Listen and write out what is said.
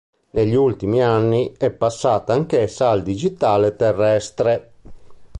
Negli ultimi anni è passata anch'essa al digitale terrestre.